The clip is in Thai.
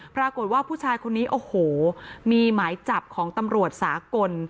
ปรากฏว่าผู้ชายคนนี้โอ้โหมีหมายจับของตำรวจสากล